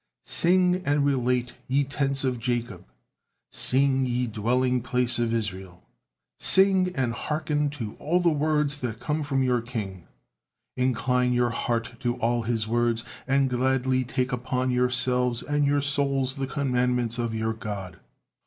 Sing and relate, ye tents of Jacob, sing, ye dwelling place of Israel. Sing and hearken to all the words that come from your King, incline you heart to all His words, and gladly take upon yourselves and your souls the commandments of your God.